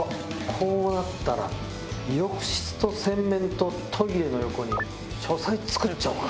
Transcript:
こうなったら浴室と洗面とトイレの横に書斎造っちゃおうか。